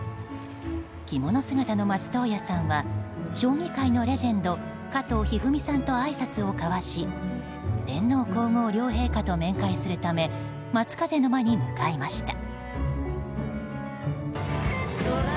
着物姿の松任谷さんは将棋界のレジェンド加藤一二三さんとあいさつを交わし天皇・皇后両陛下と面会するため松風の間に向かいました。